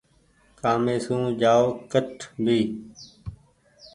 ڪآمي سون جآئو ڪٺ ڀي۔